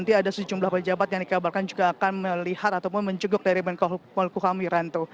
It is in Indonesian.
nanti ada sejumlah pejabat yang dikabarkan juga akan melihat ataupun mencukupi dari pemeriksaan